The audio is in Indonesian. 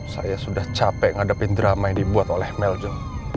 saya sudah capek ngadepin drama yang dibuat oleh meljo